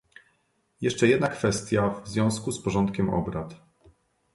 Jeszcze jedna kwestia w związku z porządkiem obrad